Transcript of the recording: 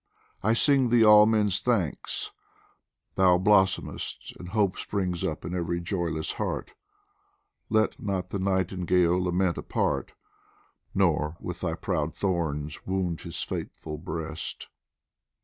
I sing thee all men's thanks ; thou blossomest And hope springs up in every joyless heart Let not the nightingale lament apart. Nor with thy proud thorns wound his faithful breast.